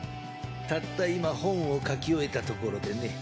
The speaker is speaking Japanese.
たった今本を書き終えたところでね。